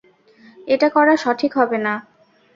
এটা করা সঠিক হবে না।